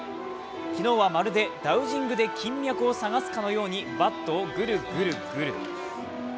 昨日はまるでダウジングで金脈を探すかのようにバットをぐるぐるぐる。